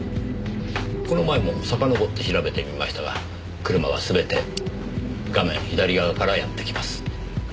この前もさかのぼって調べてみましたが車は全て画面左側からやって来ます。